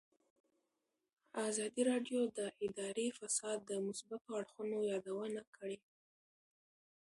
ازادي راډیو د اداري فساد د مثبتو اړخونو یادونه کړې.